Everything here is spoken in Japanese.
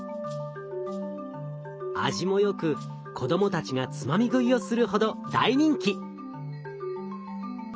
味もよく子どもたちがつまみ食いをするほど大人気。